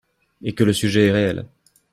et que le sujet est réel.